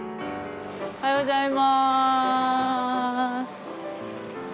おはようございます。